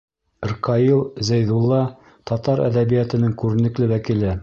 Ркаил Зәйҙулла — татар әҙәбиәтенең күренекле вәкиле.